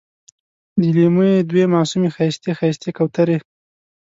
د لېمو یې دوې معصومې ښایستې، ښایستې کوترې